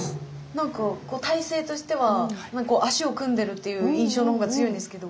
なんか体勢としては足を組んでるっていう印象の方が強いんですけど。